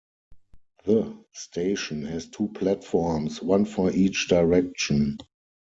The station has two platforms, one for each direction.